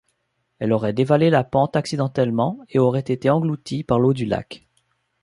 Elle aurait dévalé la pente accidentellement et aurait été engloutie par l'eau du lac.